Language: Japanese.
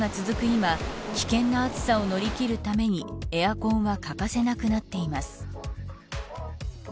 今危険な暑さを乗り切るためにエアコンは欠かせなくなっています。